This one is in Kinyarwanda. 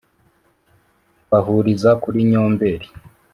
bahuriza kuri Nyombeli